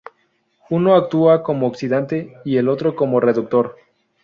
Uno actúa como oxidante y el otro como reductor.